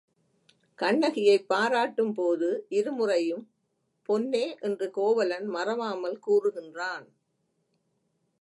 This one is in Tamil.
கண்ணகியைப் பாராட்டும் போது இருமுறையும் பொன்னே என்று கோவலன் மறவாமல் கூறுகின்றான்.